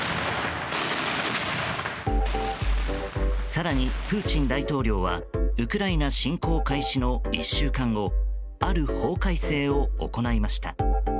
更に、プーチン大統領はウクライナ侵攻開始の１週間後ある法改正を行いました。